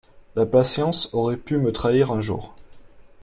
La patience aurait pu me trahir un jour.